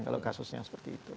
kalau kasusnya seperti itu